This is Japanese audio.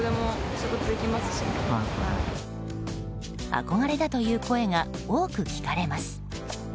憧れだという声が多く聞かれます。